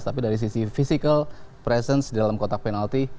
tapi dari sisi physical presence di dalam kotak penalti